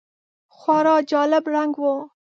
خورا جالب رنګ و .